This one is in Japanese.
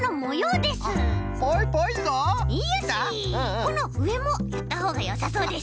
このうえもやったほうがよさそうです。